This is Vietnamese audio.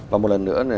và một lần nữa